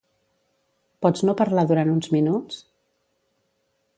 Pots no parlar durant uns minuts?